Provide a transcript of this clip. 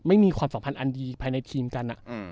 มีความสัมพันธ์อันดีภายในทีมกัน